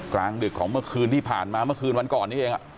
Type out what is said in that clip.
กลางดึกของเมื่อคืนที่ผ่านมาเมื่อคืนวันก่อนนี้เอง